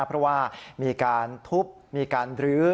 เพราะว่ามีการทุบมีการรื้อ